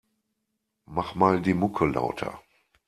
Mach mal die Mucke lauter.